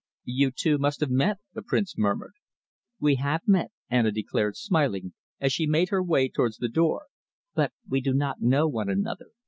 "You two must have met," the Prince murmured. "We have met," Anna declared, smiling, as she made her way towards the door, "but we do not know one another.